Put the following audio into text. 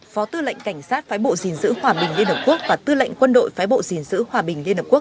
phó tư lệnh cảnh sát phái bộ dình giữ hòa bình liên hợp quốc và tư lệnh quân đội phái bộ dình giữ hòa bình liên hợp quốc